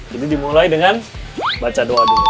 jadi dimulai dengan baca doa dulu